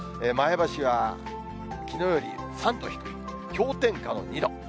前橋はきのうより３度低い氷点下の２度。